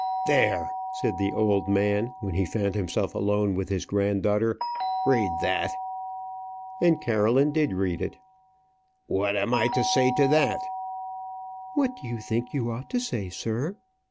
"There," said the old man, when he found himself alone with his granddaughter; "read that." And Caroline did read it. "What am I to say to that?" "What do you think you ought to say, sir?"